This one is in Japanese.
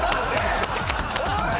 おい！